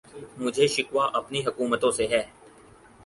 مجھے شکوہ اپنی حکومتوں سے ہے